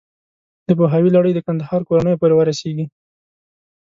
د پوهاوي لړۍ د کندهار کورنیو پورې ورسېږي.